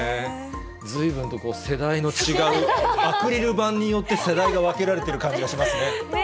ずいぶんと世代の違う、アクリル板によって、世代が分けられてる感じがしますね。